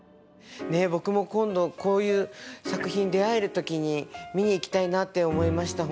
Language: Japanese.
僕も今度こういう作品に出会える時に見に行きたいなって思いました